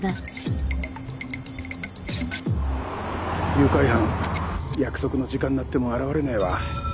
誘拐犯約束の時間になっても現れねえわ。